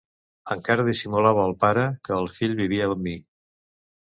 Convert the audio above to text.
Encara dissimulava al pare que el fill vivia amb mi.